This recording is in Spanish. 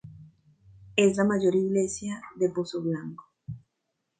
Es la mayor Iglesia de Pozoblanco.